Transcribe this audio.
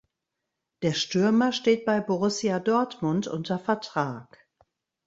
Der Stürmer steht bei Borussia Dortmund unter Vertrag.